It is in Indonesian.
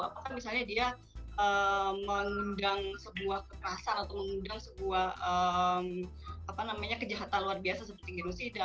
apakah misalnya dia mengundang sebuah kekerasan atau mengundang sebuah kejahatan luar biasa seperti genosida